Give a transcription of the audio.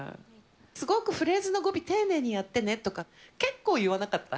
すごくフレーズの語尾、丁寧にやってねとかって、結構言わなかった？